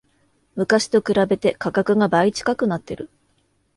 昔と比べて価格が倍近くなってる